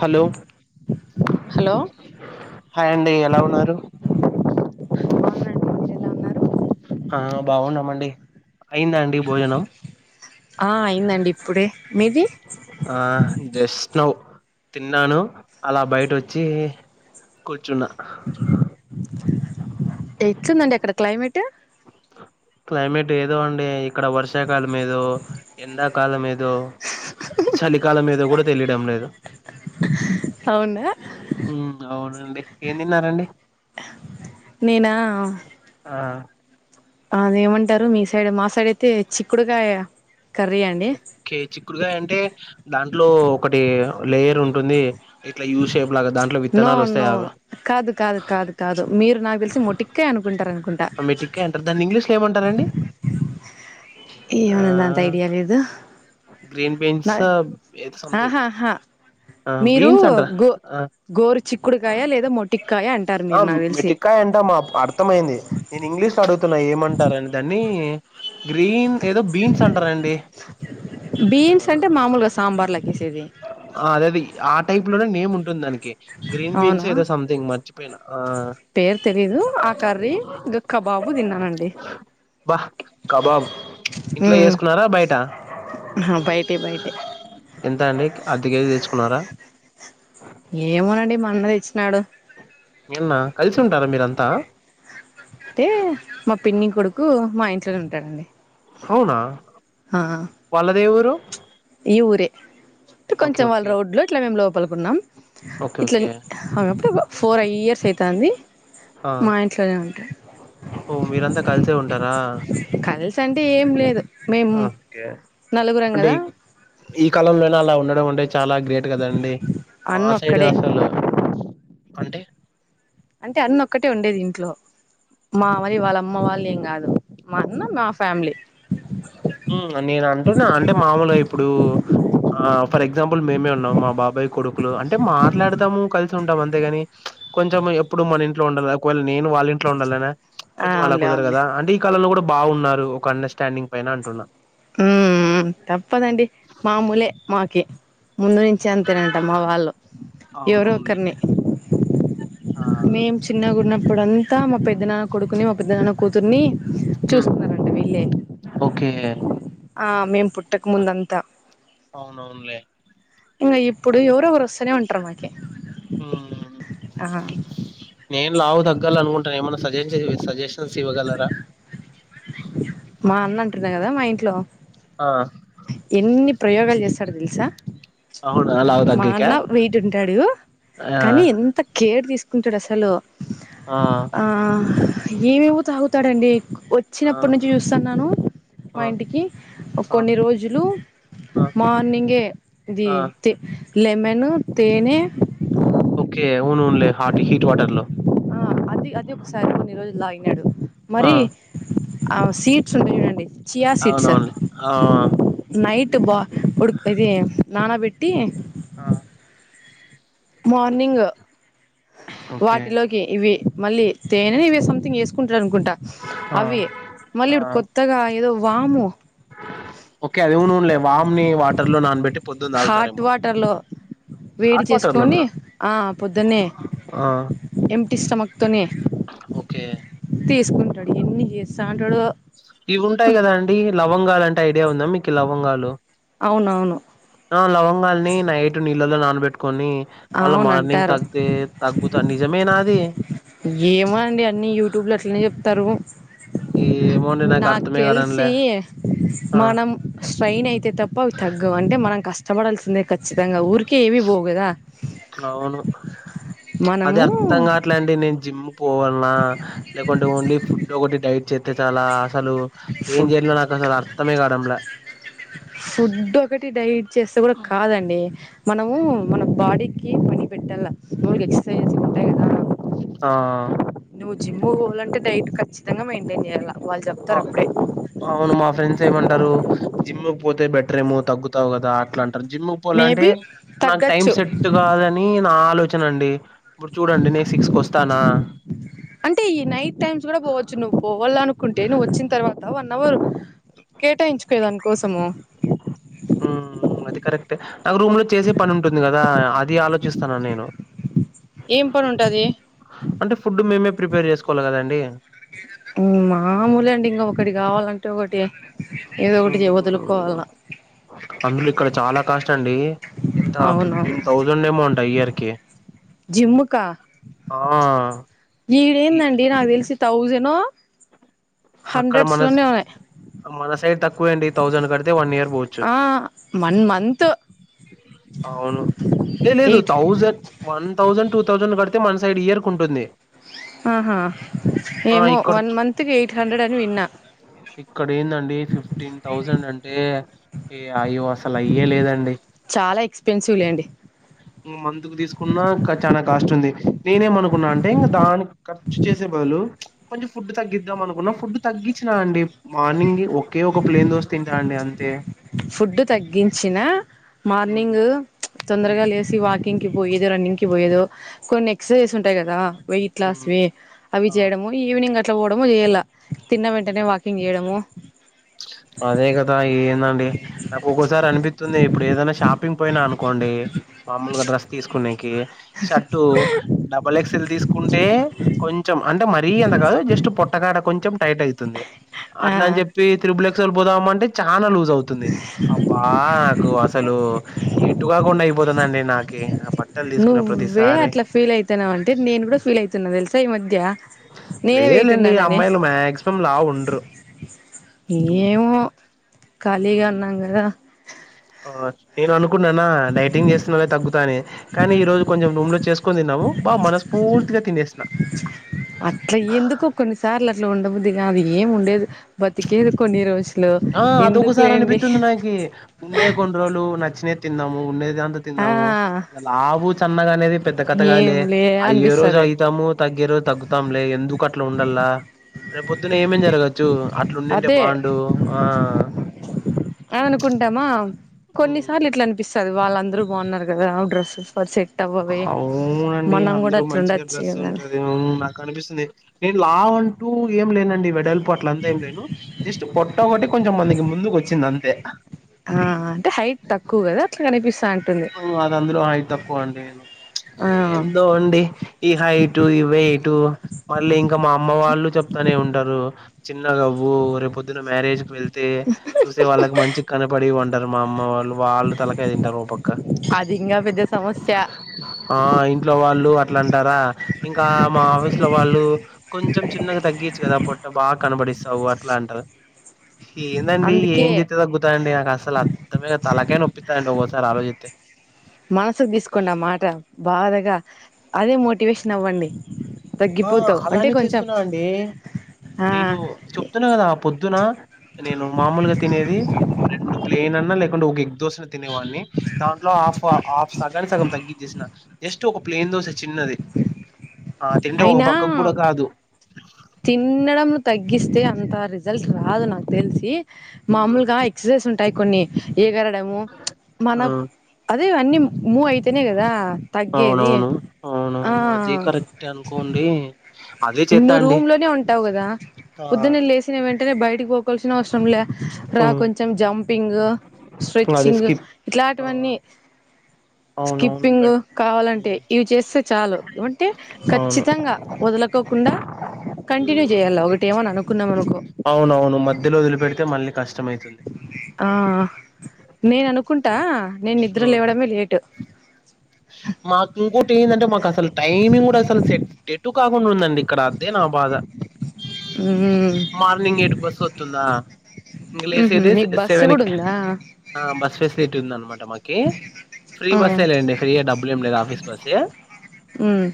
Hello hello hi అండి ఎలా ఉన్నారు అవునండి ఎలా ఉన్నారు ఆ బావున్నామండి అయిందా అండి భోజనం ఆ అయిందండి ఇప్పుడే మీది ఆ జస్ట్ నౌ తిన్నాను అలా బయట వచ్చి కూర్చున్న ఎట్లుదండి అక్కడ క్లైమేట్ క్లైమేట్ ఏదో అండి ఇక్కడ వర్షాకాలం ఏదో ఎండాకాలం ఏద్ దో చలికాలం ఏదో కూడా తెలియడం లేదు అవునా మ్ అవునండి ఏం తిన్నారండి నేనా ఆ అదేమంటారు మీ సైడ్ మా సైడ్ అయితే చిక్కుడుగాయ కర్రీ అండి కే చిక్కుడుగాయ అంటే దాంట్లో ఒకటి లేయర్ ఉంటుంది ఇట్లా యూ షేప్ లాగా దాంట్లో నో విత్తనాలు వస్తాయ్ నో అవ కాదు కాదు కాదు కాదు మీరు నాకు తెలిసి మొటిక్కే అనుకుంటారు అనుకుంటా ఆ మెటిక్కే అంటారు దాన్ని ఇంగ్లీష్లో ఏమంటారండి ఆ ఎమోనండి అంత ఐడియా లేదు గ్రీన్ నా బీన్సా ఎదో సథింగ్ ఆహాహా ఆ మీరు బీన్స్ అంటార గో ఆ గోరు చిక్కుడుకాయ లేదా మొటిక్కాయ అంటారు మీరు నాకు తెలిసి ఎంటమా పర్ తమైంది నేను ఇంగ్లీష్ లో అడుగుతున్నా ఏమంటారు అని దాన్ని గ్రీన్ ఏదో బీన్స్ అంటారాండి బీన్స్ అంటే మామూలుగా సాంబార్ లకెసేది ఆ అదే అది ఆ టైప్ లోనే నేమ్ ఉంటుంది దానికి గ్రీన్ బీన్స్ అవునా ఏదో సంథింగ్ మర్చిపోయిన ఆ పేరు తెలీదు ఆ కర్రి ఇంకా కబాబు తిన్నానండి కబాబ్ ఇంట్లో చేసుకున్నారా బయట ఆ బయటే బయటే ఎంత అండి అర్ధ కేజీ తెచ్చుకున్నారా ఏమోనండి మా అన్న తెచ్చినాడు ఏన్న కలిసి ఉంటారా మీరంతా అంటే మా పిన్ని కొడుకు మా ఇంట్లోనే ఉంటాడండి అవునా ఆ వాళ్ళదేవురు ఈ ఊరే కొంచెం వాళ్ళ ఓకే రోడ్లో ఇట్లా మేము లోపలికున్నాం ఓకే ఓకే ఇట్లనే అప్పుడు ఒక ఫోర్ ఇయర్స్ అయితంది ఆ మా ఇంట్లనే ఉంటండు ఓ మీరంతా కలిసే ఉంటారా కలిసి అంటే ఏం లేదు మేము ఆ, ఓకే నలుగురం అంటే కదా ఈ కాలంలోనే అలా ఉండడం అంటే చాలా గ్రేట్ కదండి మా సైడ్ అన్నొక్కడే అసలు అంటే అంటే అన్ని ఒక్కటే ఉండేది ఇంట్లో మామని వాళ్ళమ్మ వాళ్ళు ఏం కాదు మా అన్న మా ఫ్యామిలీ ఊ నేను అంటున్నా అంటే మామూలుగా ఇప్పుడు ఆ ఫర్ ఎగ్జాంపుల్ మేమే ఉన్నాం మా బాబాయ్ కొడుకులు అంటే మాట్లాడతాము కలిసి ఉంటాము అంతేగాని కొంచెం ఎప్పుడు మన ఇంట్లో ఉండాలి ఒకవేళ నేను వాళ్ళ ఇంట్లో ఉండాలనా ఆ కొంచెం అలా అవునులే కుదర అవునులే కదా అంటే ఈ కాలంలో కూడా బాగున్నారు ఒక అండర్స్టాండింగ్ పైన అంటున్నా ఊ తప్పదండి మాముూలే మాకి ముందు నుం చి అంతేనంట మా వాళ్ళు ఎవరో ఒక ఒకరిని అవునవునులెండి. ఆ! మేం చి చిన్నగా ఉన్నప్పుడు అంతా మా పెద్ద నాన్న కొడుకుని మా పెద్ద నాన్న కూతుర్ని హ్మ్. చూసుకున్నారంట వీళ్ళే ఓకే ఆ మేం పుట్టక ముందంతా అవునవునులే ఇంకా ఇప్పుడు ఎవరో ఒకరు వస్త ఉంటరు మాకి హ్మ్. ఆ నేను లావు తగ్గాల అనుకుంటాన ఏమన్నా సజెషన్ సజెషన్స్ ఇవ్వగలరా మా అన్న అంటున్నా కదా మా ఇంట్లో ఆ ఎన్ని ప్రయోగాలు చేసడు తెలుసా అవునా లావు మా తగ్గేకా అన్న వెయిట్ ఉంటాడు ఆ కానీ ఎంత కేర్ తీసు కుంటాడు అసలు ఆ ఏమేవో తాగుతాడండి ఒట్ ఆ వచ్చినప్పటి నుంచి చూస్తున్నాను ఆ మా ఇంటికి ఒ ఆ కొన్ని రోజు జులు ఆ మార్నింగే ఇది ఆ తి లెమను తేనె ఓకే ఊనున్లే హాట్ హీట్ వాటర్ లో ఆ అది అది ఒకసారి కొన్ని రోజులు తాగినాడు ఆ మరి ఆ సీట్స్ ఉంటయి చూడండి చియా సీడ్స్ అవునవునులే ఆ నైట్ బా ఉడు ఇది నానబెట్టి ఆ మార్నింగ్ ఓకే వాటిలోకి ఇవి మళ్ళీ తేనే ఇవి సథింగ్ వేసుకుంటారు అనుకుంటా ఆ అవి మళ్ళీ ఆ ఇప్పుడు కొత్తగా ఏదో వాము ఓకే అది ఊనున్లే వామ్ని వాటర్ లో నానబెట్టి పొద్దున్న హాట్ తాగుతారేమో వాటర్ లో వేడి హాట్ వాటర్ చేసుకొని లోనా ఆ పొద్దునే ఆ ఎంటి స్టమక్తోనే ఓకే తీసుకుంటాడు ఎన్ని చేస్తాంటాడో ఇవి ఉంటాయి కదా అండి లవంగాలు అంటే ఐడియా ఉందా మీకు లవంగాలు అవునవును ఆ లవంగాల్ని నైట్ నీళ్ళలో నానబెట్టుకొని మళ్ళ అవును మార్నింగ్ అంటారు తాగితే తగ్గుతా నిజమేనా అదీ ఏమో అండి అన్ని యూట్యూబ్ లో అట్లనే చెప్తారు ఏమోండి నాకు అర్థమే తెలిసి కావడంలే ఆ మనం స్ట్రైయిన్ అయితే తప్ప అవి తగము అంటే మనం కష్టపడాల్సిందే ఖచ్చితంగా ఊరికి కేేవి బోవుగద అవును అది మనము అర్థంగాట్ ఇట్లాంటె నేను జిమ్ పోవాలనా లేకుంటే ఓన్లీ ఫుడ్ ఒకటి డైట్ చేస్తే చాలా అసలు ఏం ఫుడ్ చేయలో నాకు అసలు అర్థమే కాడంల ఫుడ్ ఒకటి డైట్ చేస్తే కూడా కాదండి మనము హ్మ్. మనం బాడకి పని పెట్టలా ఇప్పుడు ఎక్ససైజ్ ఉంటాయిగాదా ఆ నువ్వు జిమ్ పోవాలంటే డైట్ ఖచ్చితంగా మెయింటైన్ చేయ్యాలా వాళ్ళు అ చెప్తారు అప్పుడే అవును మా ఫ్రెండ్స్ ఏమంటారు జిమ్కి పోతే బెటర్ ఏమో తగ్గుతావు కదా అట్లా జిమ్ కి పోవాలంటే మేబి నాకు టైం తగ్గచ్చు సట్ కా దని నా ఆలోచన అండి ఇప్పుడు చూడండి నేను సిక్స్ కి వస్తానా అంటే ఈ నైట్ టైమ్స్ కూడా పోవచ్చు నువ్వు పోవాల అనుకుంటే నువ్వు వచ్చిన తర్వాత వన్ అవర్ కేటాయించుకో దానికోసము ఉ అది కరెక్ట్ నాకు రూమ్ లో చేసే పని ఉంటుంది కదా అది ఆలోచిస్తున్నా నేను ఏం పని ఉంటది అంటే ఫుడ్ మేమే ప్రిపేర్ చేసుకోవాలి కదండి మామూలుగా అండి ఇంక ఒకటి కావాలంటే ఒకటి ఏదో ఒకటి వదులుకోవలా అందులో ఇక్కడ చాలా కాస్ట్ అండి ఎంత అవునవును ఫిఫ్టీన్ థౌసండ్ సాండ్ ఏమో అంట ఇయర్ కి జిమ్కా ఆ ఈడ ఈ ఏందండి నాకు తెలిసి థౌజనో అక్కడ మన ఉన్నాయి మన సైడ్ తక్కువే అండి థౌసండ్ కడితే వన్ ఇయర్ పోవచ్చు ఆ వన్ మంత్ అవును ఏ లేదు eight thousand one thousand two thousand కడితే మన సైడ్ ఇయర్ కు ఉంటుంది ఆహా ఆ ఏమో ఇక్కడ వన్ చు మంత్ కి ఎయిట్ హండ్రెడ్ అని విన్నా ఇక్కడ ఏందండి ఫిఫ్టీన్ థౌజండ్ అంటే ఏ అయ్యో అసల్ అయ్యే లేదండి చాలా ఎక్స్పెన్సివ్ లేండి. మందుకు తీసుకున్నా కా చానా కాస్ట్ ఉంది. నేనేం అనుకున్నా అంటే ఇంకా దాన్ ఖర్చు చేసే బదులు. కొంచెం ఫడ్ తగ్గిద్దాం అనుకున్నా ఫుడ్ తగ్గించినా అండి. మార్నింగ్ ఒకే ఒక ప్లేన్ దోశ తింటా అండి అంతే. ఫుడ్ తగ్గించిన ఉమ్, మార్నింగు. ఉమ్, తొందరగా లేసి వాకింగ్ కి పోయేదే రన్నింగ్ కి పోయేదో కొన్ని ఎక్సర్సైజ్ ఉంటాయి కదా. ఉమ్, వెయిట్లాస్వి అవి ఆ చేయడము. ఈవినింగ్ అట్లా పోవడము చేయాల తిన్న వెంటనే వాకింగ్ చేయడము. అదే కదా ఏదా. డి నాకు ఒగోసార్ అనిపితుంది ఇప్పుడు ఏదైనా షాపింగ్ పోయినా అనుకోండి. మామూలుగా డ్రెస్ తీసుకునేనికి షర్టు. డబల్ ఎక్స్ ఎల్ తీసుకుంటే కొంచెం అంటే మరీ అంతా కాదు జస్ట్ పొట్టకాడ కొంచెం టైట్ అయ్యి. ఆ అట్లన్ చెప్పి త్రిబుల్ ఎక్సెల్ పోదామ అంటే చానా లూజ్ అవుతుంది. ఆ నాకు అసలు ఎటు కాకుండా అయిపోతుందండి నాకి బట్. నువ్వే అట్లా ఫీల్ అయితాన్నావంటే నేను కూడా ఫీల్ అయితున్న తెలుసా ఈ మధ్య. లే నేనే వెయిట్ లెండి ఉన్నానని అమ్మాయిలు మాక్సిమం లావు ఉండరు. ఏమో ఖాళీగా మ్ ఉన్నాం కదా. ఆ. నేను అనుకున్నానా డైటింగ్ చేస్తున్నే తగ్గుతా అని కానీ ఈ రోజు కొంచెం రూమ్ లో చేసుకుని తిన్నాము. బా మనస్ఫూర్తిగా తినేసిన. అట్లా ఎందుకో కొన్నిసార్లు అట్లా ఉండ బుద్ధి కాదు ఏం ఉండేదు బతికేది కొన్ని రోజు. ఆ అదొకసారి అనిపితుంది నాకి ఉండే కొన్ని రోలు నచ్చినేది తిన్నాము ఉండేది అంద్. ఆ తిన్నాము లావు సన్నగా అనేది పెద్ద కథగాదులే ఏంలే అయ్యేరోజు అనిపిస్తది అయితాము. తగ్గేరోజు తగ్గుతాంలే ఎందుకు అట్లా ఉండల్లా రేపు పొద్దున్న ఏమేం జరగచ్చు అ. అదే అనుకుంటామా. హ్మ్. కొన్నిసార్లు ఇట్లా అనిపిసాది వాళ్ళందరూ బాగున్నారు కదా డ్రస్ పర్సె. అవునండి అందరూ మంచిగా ఉండొచ్చు డ్రెస్ కదా అని ఉంటది ఉమ్ నా. కనిపిస్తుంది నేన్ లావు అంటూ ఏం లేనండి వెడల్పు అట్ల అంతా ఏం లేను. జస్ట్ పోట్ట ఒకటి కొంచెం మందికి ముందుకు వచ్చింది అంతే. ఆ ఆ అంటే హైట్ తక్కువ కదా అట్లా కనిపిస్తా. ఉంటుంది ఆ అందులో హైట్ తక్కువ అండి ఆ ఎందో అండి. ఈ హైటు ఈ వెయిటు మళ్ళీ ఇంకా మా అమ్మ వాళ్ళు చెప్తానే ఉంటారు. చిన్నగావ్వు రే పొద్దున్న మ్యారేజ్ కి వెళ్. తే చూసే వాళ్ళ మంచి కనపడి ఉంటారు మా అమ్మ వాళ్ళు వాళ్ళు తలకాయ తింటారు ఓ పక్క. అది ఇంగా పెద్ద సమస్య. ఆ ఇంట్లో వాళ్ళు అట్లా అంటారా ఇంకా మా ఆఫీస్ లో వాళ్ళు. కొంచెం చిన్నగా తగ్గించ్చు కదా పొట్ట బాగా కనబడిస్తావు అట్లా అంటా. ఏందండి అందుకే ఏం చెతే తగ్గుతాండి నాకు అసల. తమ తలకాయ్ నొప్పితిండి ఓగోసారి ఆలోజితే. మనసుకు తీసుకోండి ఆ మాట బాధగా. అదే మోటివేషన్ అవ్వండి. ఆ తగ్గిపోతావు అంటే అలానే కొంచెం చేస్తున్నా అండి ఆ. నేను చెప్తున్నా కదా పొద్దున. నేను మామూలుగా తినేది రెండు ప్లేయిన్ అన్నా లేకుంటే ఒక ఎగ్ దోస తినేవాడిని దాంట్లో ఆఫ్ ఆఫ్స కానీ సగం తగ్గించేసిన జస్ట్ ఒక ప్లేయిన్ దోశ చిన్నది ఆ తింటే ఒక అయినా పక్కకు కూడా కాదు తిన్నడం తగ్గిస్తే అంత రిజల్ట్ రాదు నాకు తెలిసి మాములుగా ఎక్ససైజ్ ఉంటాయి కొన్ని ఏగర డము మనం ఆ అదే అన్నీ మూవయితేనే కదా తగ్గేది అవునవును ఆ అవునవును అది కరెక్టే అనుకోండి అదే చేత్తా నువ్వు అండి రూమ్ లోనే ఉంటావు కదా ఆ పొద్దునే లేసి వెంటనే బయటికి పోకోల్సిన అవసరంలా రా ఉమ్, కొంచెం జం పింగ్ అదే స్ట్రెచింగ్ స్కిప్ ఆ, ఇట్లాంటివన్నీ అవునవును స్కిప్పింగ్ బట్ కావాలంటే ఉమ్, ఇవి చేస్తే చాలు అంటే అవును ఖచ్చితంగా వదలుకోకుండా కంటిన్యూ చేయల్ల ఒకటి ఏమన్న అనుకున్నాం అనుకో అవునవును మధ్యలో వదిలి పెడితే మళ్ళీ కష్ ఆ నేను అనుకుంటా నేను నిద్ర లేవడమే లేటు మాకు ఇంకోటి ఏంటంటే మాకు అసలు టైమింగ్ కూడా అసలు సె ఎటు కాకుండా ఉందండి ఇక్కడ అదే నా బాధ మ్మ్ మార్నింగ్ ఎయిట్ బస్ వత్తుందా ఇంగ మ్హూ లేసేదే సె మీకు బస్సు కూడా సెవెన్కి ఉందా ఆ బస్ ఫెసిలిటీ ఉందనమాట మాకి ఫ్రీ ఆ బస్సేలేండి ఫ్రీయే డబ్బులు ఏం లేదు ఆఫీస్ బస్సే మ్మ్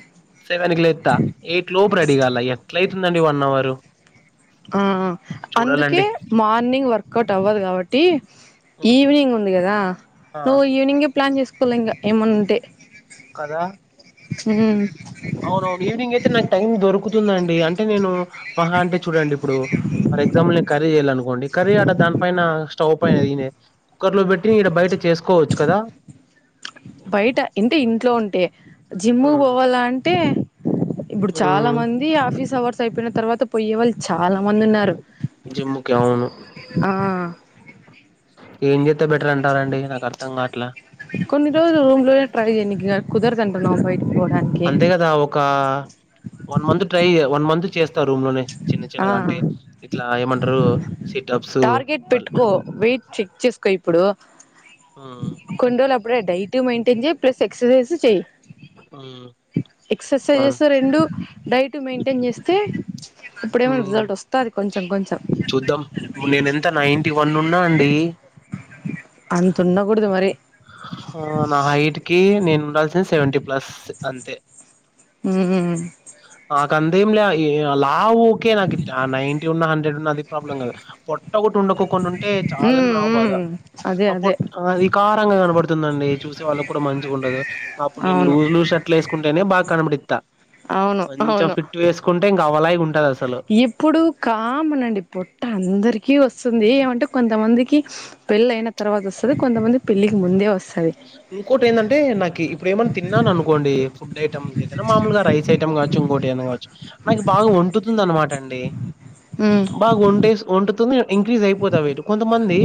సెవెన్ కి లేెత్తా ఎయిట్ లోపు రెడీగాల్ల ఎట్లయితుందండి వన్ అవర్ ఆ అందుకే చూడాలండి మార్నింగ్ వర్కౌట్ అవ్వదు కాబట్టి ఈవినింగ్ ఉంది కదా ఆ నువ్వు ఈవినింగే ప్లాన్ చేసుకోవాల ఇంకా ఏమనుంటే కదా అవునవును ఈవినింగ్ అయితే నాకు టైం దొరుకుతుందండి అంటే నేను మహ అంటే చూడండి ఇప్పుడు ఫర్ ఎగ్జాంపుల్ నే కర్రీ చేయాలనుకోండి కర్రీ అడ దానిపైన స్టవ్ పైనే కుక్కర్ లో పెట్టి ఈడ బయట చేసుకోవచ్చు కదా బయట ఇంటి ఇంట్లో ఉంటే జిమ్ పోవాల అంటే ఇప్పుడు చాలా మ్మ్ మంది ఆఫీస్ అవర్స్ అయిపోయిన తర్వాత పోయే వాళ్ళు చాలా మంది ఉన్నారు జిమ్ముకి అవును ఆ ఏం చెత్తే బెటర్ అంటారండి నాకు అర్థంగాట్ల కొన్ని రోజులు రూమ్ లోనే ట్రై చేయనికి కాని కుదరతుంటన్నావు బయటికి పోవడానికి ఆ ఒకా వన్ మంత్ ట్రై చెయ్యి వన్ మంత్ చేస్తా రూమ్ లోనే చిన్న ఆ చిన్నగా అంటే ఇట్లా ఏమంటారు సిట్అప్స్ టార్గెట్ పెట్టుకో వెయిట్ చెక్ చేసుకో ఇప్పుడు ఉ కొన్ని రోజులు అప్పుడే డైట్ మెయింటైన్ చెయ్ ప్లస్ ఎక్సర్సైజ్ చెయి ఉమ్, ఆ, ఎక్సర్సైజస్ రెండు డైట్ మెయింటైన్ చేస్తే ఇప్పుడేమో ఉమ్, రిజల్ట్ వస్తాది కొం చూద్దాం నేను ఎంత నైన్టీ వన్ ఉన్నా అండి అంతుండకూడదు మరి ఆ నా హైట్ కి నేను ఉండాల్సింది సెవెంటీ ప్లస్ అంతే ఊ నాకు అంతేంలే ఏ లావు ఓకే నాకు ఆ నైంటీ ఉన్నా హండ్రెడ్ ఉన్నా అది ప్రాబ్లం కాదు పొట్టగొట ఉండకో ఉంటే చాలని ఉమ్ నా బాధ ఉమ్ అదే ఆ అదే పొట్. ది కారంగా కనపడుతుందండి చూసే వాళ్ళకి కూడా మంచిగా ఉండదు అప్పుడు అవును నేనులుజ్ లూజ్ షట్. ఫట్లు వేసుకుంటేనే బాగా కనబడిస్తా అవును కొంచెం అవును ఫిట్ వేసుకుంటే ఇంకా అవలాగి ఉంటది అసలు. ఎప్పుడు కామనండి పుట్ట అందరికీ వస్తుంది ఏమంటే కొంతమందికి. పెళ్ళి అయిన తర్వాత వస్తది కొంతమంది పెళ్ళలికి ముందే వస్త. ఇంకోటి ఏంటంటే నాకి ఇప్పుడు ఏమన్నా తిన్నాన్ అనుకోండి. ఫుడ్ ఐటమ్ అయితేనా మామలుగా రైస్ ఐటమ్ కాచ్చు ఇకోటి ఏనా కాచ్చు. నాకు బాగా వంటుతుంది అనమాట అండి ఉమ్ బాగా వండేస్. ఉంటుతుంది ఇంక్రీజ్ అయిపోతా వెయిట్ కొంతమంది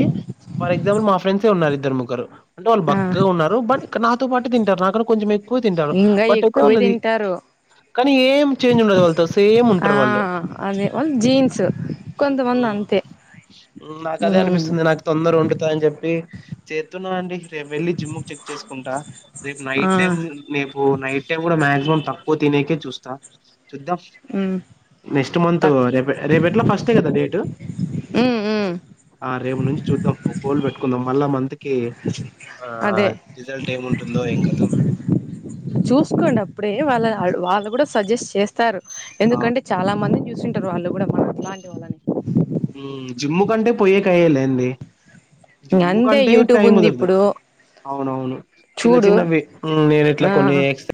ఫర్ ఎగ్జాంపుల్ మా ఫ్రెండ్సే ఉన్నారు ఇద్దరు ముగ్గురు అంటే. ఆ బక్కగా ఉన్నారు బట్ నాతో పాటు తింటారు నాక కొంచెం ఎక్కువ తింటారు ఇంగా బట్ అయితే ఎక్కువే వాళ్ళది. తింటారు కానీ ఏం చేంజ్ ఉండదు వాళ్ళతో సేమ్ ఆ ఉంటరు వాళ్ళు. అదే వాళ్ళు జీన్స్ కొంతమంది అంతే. నాకు అదే ఉమ్ అనిపిస్తుంది నాకు తొందర ఉండుతా అని చెప్పి చేస్తున్నాం అండి రేమి వెళ్లి. జిమ్ చెక్ చేసుకుంటా రేపు ఆ నైట్ టైమ్. నేపు నైట్ టైమ్ కూడా మాక్సిమం తక్కువ తినేకే చూస్తా చూద్దాం ఉమ్ నెక్స్ట్ మంత్ తక్ రేప రేప్ ఎట్లా ఫస్ట్ కదా డేటు. ఉమ్ ఉమ్ ఆ రేపు నుంచి చూద్దాం ఓ గోల్ పెట్టుకుందాం మళ్ళా మంత్ కి. అ ఆ రిజల్ట్ ఏముంటుందో ఏం కదొ. చూసుకోండప్పుడే వాళ్ళ వాళ్ళు కూడా సజెస్ట్ చేస్తారు ఆ ఎందుకంటే. చాలా మందిని చూసుంటారు వాళ్ళు కూడా మనకు లాంటి వాళ్ళని. జిమ్ కంటే పోయేకయ్యలేంది జిమ్ అంతే కంటే యూట్యూబ్ టైమ్ ఉంది కుదరదు. ఇప్పుడు అవునవును చిన్న చూడు చిన్నవి నేను ఇట్లా ఆ కొన్ని.